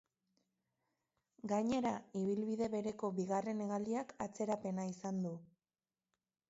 Gainera, ibilbide bereko bigarren hegaldiak atzerapena izan du.